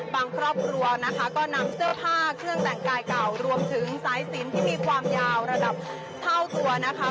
ครอบครัวนะคะก็นำเสื้อผ้าเครื่องแต่งกายเก่ารวมถึงสายสินที่มีความยาวระดับเท่าตัวนะคะ